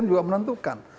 presiden juga menentukan